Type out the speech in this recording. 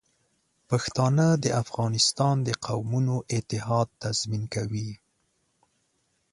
پښتانه د افغانستان د قومونو اتحاد تضمین کوي.